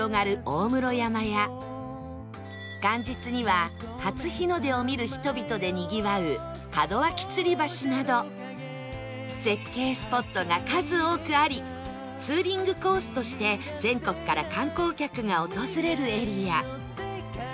大室山や元日には初日の出を見る人々でにぎわう門脇つり橋など絶景スポットが数多くありツーリングコースとして全国から観光客が訪れるエリア